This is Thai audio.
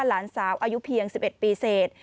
หลานสาวอายุเพียง๑๑ปีเศษ